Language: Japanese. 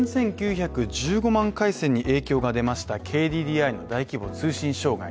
３９１５万回線に影響が出ましたＫＤＤＩの大規模通信障害。